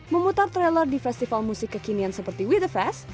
memutar trailer di festival musik kekinian seperti we the fest